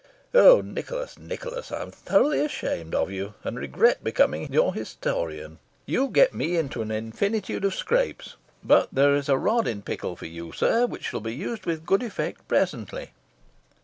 Oh Nicholas! Nicholas! I am thoroughly ashamed of you, and regret becoming your historian. You get me into an infinitude of scrapes. But there is a rod in pickle for you, sir, which shall be used with good effect presently.